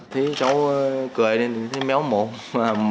thấy cháu cười lên thì thấy méo mồm